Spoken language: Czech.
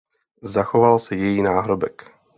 Zachoval se její náhrobek.